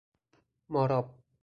ماراب